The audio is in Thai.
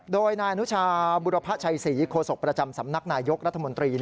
โดยนายอนุชาบุรพชัยศรีโคศกประจำสำนักนายยกรัฐมนตรี